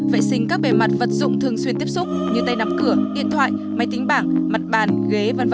vệ sinh các bề mặt vật dụng thường xuyên tiếp xúc như tay nắm cửa điện thoại máy tính bảng mặt bàn ghế v v